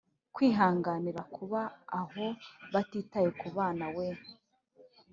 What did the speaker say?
kwihanganira kuba aho batitaye kubana na We